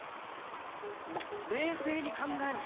冷静に考えろ！